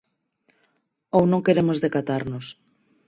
Ou non queremos decatarnos.